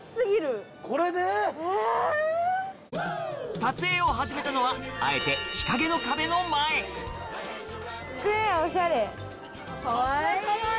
⁉撮影を始めたのはあえて日陰の壁の前かわいい！